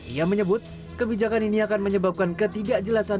ia menyebut kebijakan ini akan menyebabkan ketidakjelasan